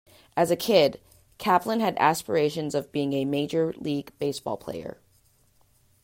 As a kid, Kaplan had aspirations of being a Major League Baseball player.